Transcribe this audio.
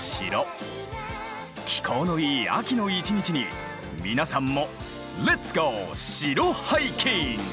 気候のいい秋の一日に皆さんもレッツゴー城ハイキング！